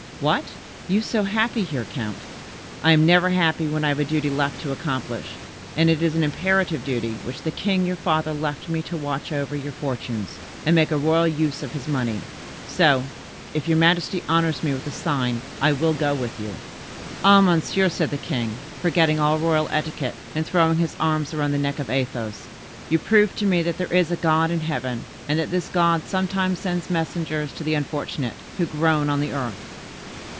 "What! you so happy here, count?" "I am never happy when I have a duty left to accomplish, and it is an imperative duty which the king your father left me to watch over your fortunes, and make a royal use of his money. So, if your majesty honors me with a sign, I will go with you." "Ah, monsieur!" said the king, forgetting all royal etiquette and throwing his arms around the neck of Athos, "you prove to me that there is a God in heaven, and that this God sometimes sends messengers to the unfortunate who groan on the earth."